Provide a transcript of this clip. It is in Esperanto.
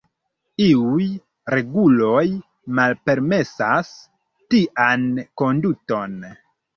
Iuj reguloj malpermesas tian konduton.